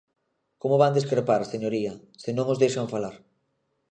¿Como van discrepar, señoría, se non os deixan falar?